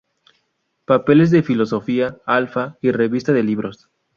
Papeles de Filosofía", "Alfa" y "Revista de libros".